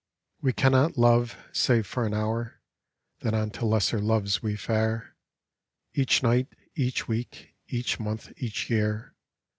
" We cannot love — save for an hour; Then on to lesser loves we fare. Each night, each week, each month, each year.